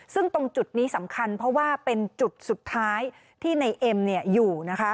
ซึ่งตรงจุดนี้สำคัญเพราะว่าเป็นจุดสุดท้ายที่ในเอ็มอยู่นะคะ